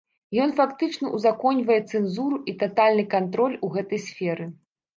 Ён фактычна ўзаконьвае цэнзуру і татальны кантроль у гэтай сферы.